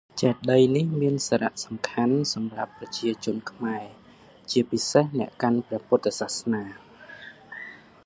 ចេតិយនេះមានសារៈសំខាន់សម្រាប់ប្រជាជនខ្មែរ ជាពិសេសអ្នកកាន់ព្រះពុទ្ធសាសនា។